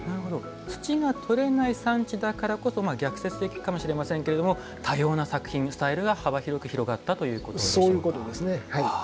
土がとれない産地だからこそ逆説的かもしれませんが多様な作品、スタイルが幅広く広がったということですね。